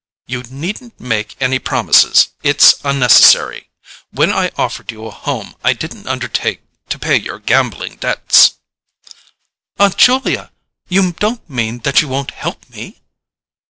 "You needn't make any promises: it's unnecessary. When I offered you a home I didn't undertake to pay your gambling debts." "Aunt Julia! You don't mean that you won't help me?"